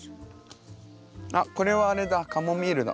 あっこれはあれだカモミールだ。